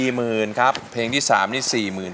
๔หมื่นครับเพลงที่๓นี้๔หมื่น